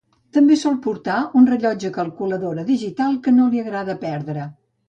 També sòl portar un rellotge calculadora digital que no li agrada perdre.